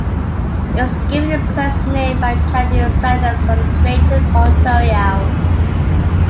It was given its present name by Canadian settlers from Drayton, Ontario.